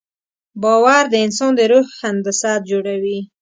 باور د انسان د روح هندسه جوړوي.